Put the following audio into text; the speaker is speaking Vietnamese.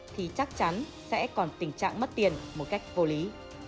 thì chắc chắn sẽ còn tình trạng mất tiền một cách vô lý